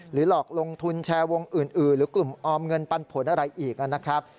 หลอกลงทุนแชร์วงอื่นหรือกลุ่มออมเงินปันผลอะไรอีกนะครับ